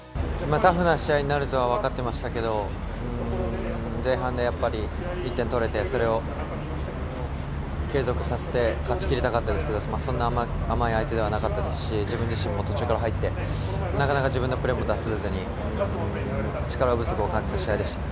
タフな試合になるとは分かってましたけど前半で１点取れてそれを継続させて勝ちきりたかったですけどそんな甘い相手ではなかったですし自分自身も途中から入ってなかなか自分のプレーも出せずに力不足を感じた試合でした。